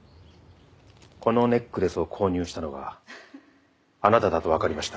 このネックレスを購入したのがあなただとわかりました。